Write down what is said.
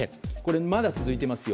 まだ続いていますよ。